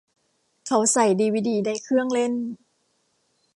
เขาใส่ดีวีดีในเครื่องเล่น